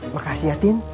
makasih ya tin